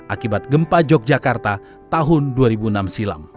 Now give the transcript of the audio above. akibat gempa yogyakarta tahun dua ribu enam silam